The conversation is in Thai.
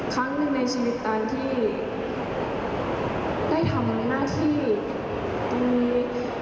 ครั้งหนึ่งในชีวิตตอนที่ได้ทำหน้าที่ตรงนี้